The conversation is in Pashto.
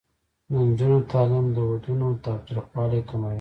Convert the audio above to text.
د نجونو تعلیم د ودونو تاوتریخوالي کموي.